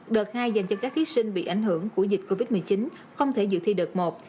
đợt hai dành cho các thí sinh bị ảnh hưởng của dịch covid một mươi chín không thể dự thi đợt một